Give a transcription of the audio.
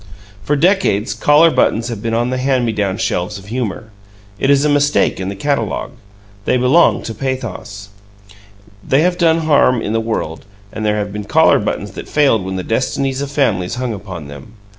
For decades, collar buttons have been on the hand me down shelves of humor; it is a mistake in the catalogue. They belong to pathos. They have done harm in the world, and there have been collar buttons that failed when the destinies of families hung upon them.